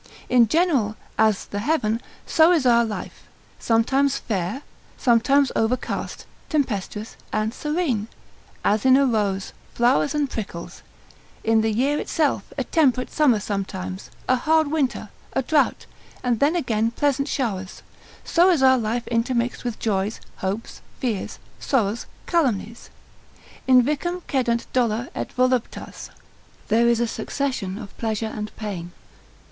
In general, as the heaven, so is our life, sometimes fair, sometimes overcast, tempestuous, and serene; as in a rose, flowers and prickles; in the year itself, a temperate summer sometimes, a hard winter, a drought, and then again pleasant showers: so is our life intermixed with joys, hopes, fears, sorrows, calumnies: Invicem cedunt dolor et voluptas, there is a succession of pleasure and pain.